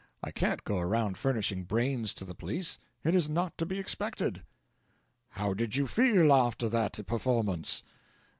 I can't go around furnishing brains to the police; it is not to be expected.' 'How did you feel after that performance?'